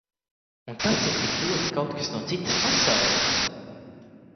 Un tas ir tik ļoti kaut kas no citas pasaules.